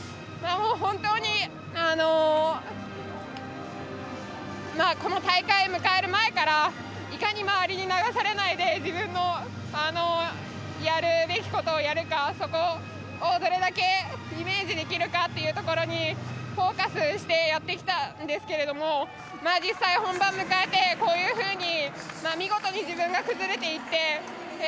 本当にこの大会を迎える前からいかに周りに流されないで自分のやるべきことをやるか、そこをどれだけイメージできるかっていうところフォーカスしてやってきたんですけれども実際、本番迎えてこういうふうに見事に自分が崩れていって。